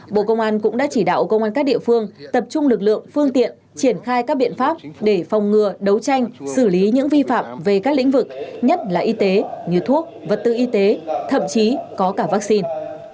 bộ công an cũng đã chỉ đạo công an các địa phương tập trung lực lượng phương tiện triển khai các biện pháp để phòng ngừa đấu tranh xử lý những vi phạm về các lĩnh vực nhất là y tế như thuốc vật tư y tế thậm chí có cả vaccine